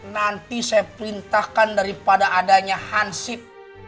nanti saya perintahkan daripada adanya hansip